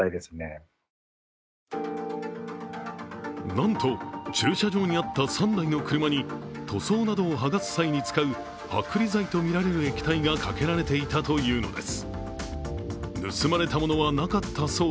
なんと、駐車場にあった３台の車に塗装などを剥がす際に使う剥離剤とみられる液体がかけられていたというのです。